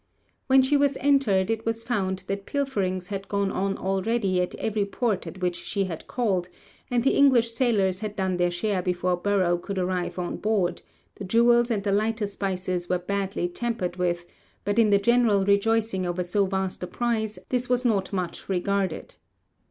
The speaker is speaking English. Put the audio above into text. When she was entered, it was found that pilferings had gone on already at every port at which she had called; and the English sailors had done their share before Burrough could arrive on board; the jewels and the lighter spices were badly tampered with, but in the general rejoicing over so vast a prize this was not much regarded.